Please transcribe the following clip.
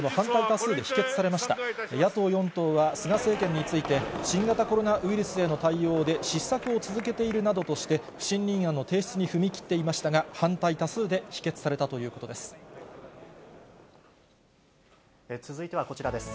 野党４党は、菅政権について、新型コロナウイルスへの対応で失策を続けているなどとして、不信任案の提出に踏み切っていましたが、反対多数で否決されたと続いてはこちらです。